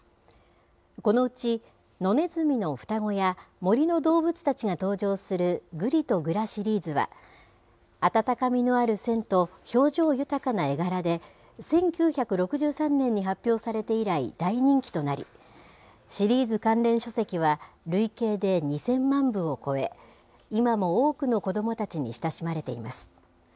このうち、野ねずみの双子や、森の動物たちが登場するぐりとぐらシリーズは、温かみのある線と、表情豊かな絵柄で、１９６３年に発表されて以来、大人気となり、シリーズ関連書籍は累計で２０００万部を超え、今も多くの子どもたちに親しまれています。